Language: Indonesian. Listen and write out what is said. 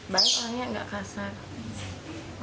baik orangnya tidak kasar